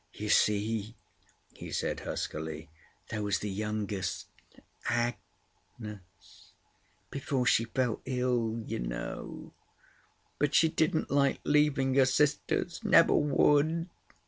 "You see," he said huskily, "there was the youngest—Agnes. Before she fell ill, you know. But she didn't like leaving her sisters. Never would."